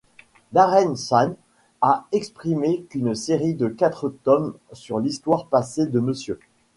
Darren Shan a exprimé qu'une série de quatre tomes sur l'histoire passée de Mr.